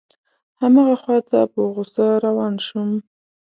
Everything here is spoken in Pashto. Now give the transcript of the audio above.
هماغه خواته په غوسه روان شوم.